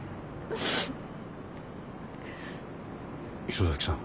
磯崎さん。